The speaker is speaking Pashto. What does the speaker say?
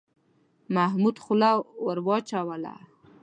محمود خوله را وچوله.